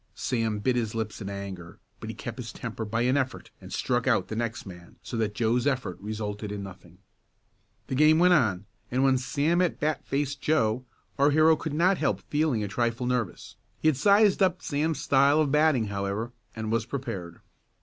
Sam bit his lips in anger, but he kept his temper by an effort and struck out the next man so that Joe's effort resulted in nothing. The game went on, and when Sam at bat faced Joe, our hero could not help feeling a trifle nervous. He had sized up Sam's style of batting, however, and was prepared.